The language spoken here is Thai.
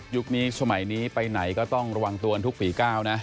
นี้สมัยนี้ไปไหนก็ต้องระวังตัวกันทุกฝีก้าวนะ